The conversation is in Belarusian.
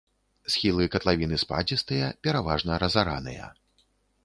Схілы катлавіны спадзістыя, пераважна разараныя.